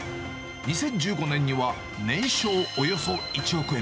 ２０１５年には、年商およそ１億円。